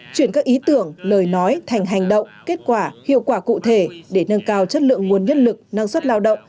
chuyển các ý tưởng lời nói thành hành động kết quả hiệu quả cụ thể để nâng cao chất lượng nguồn nhất lực